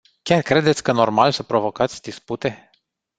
Chiar credeți că normal să provocați dispute?